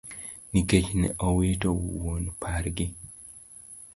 Nikech ne owito wuon pargi.